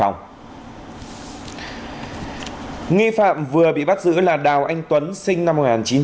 nghi phạm vừa bị bắt giữ là đào anh tuấn sinh năm một nghìn chín trăm bảy mươi ba